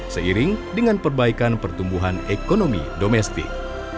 seiring dengan perbaikan pertumbuhan ekonomi domestik